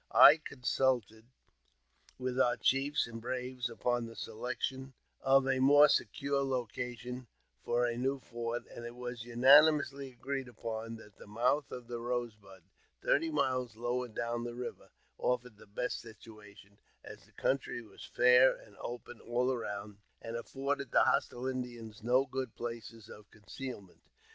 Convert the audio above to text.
I consulted with our chiefs and braves upon the selection of a more secure location for a new fort, and it was unanimously agreed upon that the mouth of the Eose Bud, thirty miles lower down the river, offered the best situation, as the country was fair and open all round, and afforded the hostile Indians no good places of concealment.